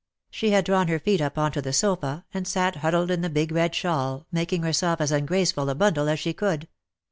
She had drawn her feet up onto the sofa, and sat huddled in the big red shawl, making herself as ungraceful a bundle as she could.